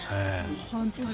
本当に。